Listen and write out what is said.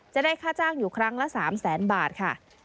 จะได้ค่าจ้างอยู่ครั้งละ๓แสนบาทค่ะ